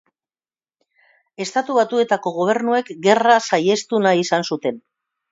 Estatu Batuetako gobernuek gerra saihestu nahi izan zuten.